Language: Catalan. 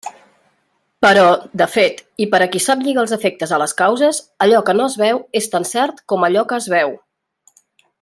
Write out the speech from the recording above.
Però, de fet, i per a qui sap lligar els efectes a les causes, allò que no es veu és tan cert com allò que es veu.